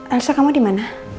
elsa kamu dimana